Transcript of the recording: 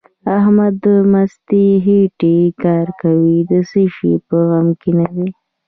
احمد د مستې خېټې کار کوي؛ د څه شي په غم کې نه دی.